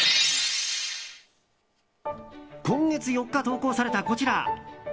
今月４日、投稿されたこちら。